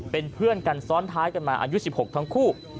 เป็นเพื่อนกันซ้อนท้ายกันมาอายุ๑๖ทั้งคู่